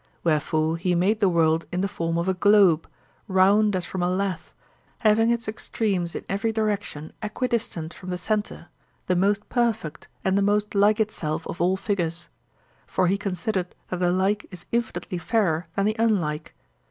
Wherefore he made the world in the form of a globe, round as from a lathe, having its extremes in every direction equidistant from the centre, the most perfect and the most like itself of all figures; for he considered that the like is infinitely fairer than the unlike.